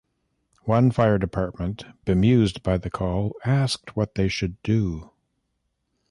One fire department, bemused by the call, asked what they should do.